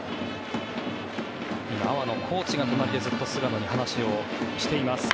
今、阿波野コーチがずっと菅野に話をしています。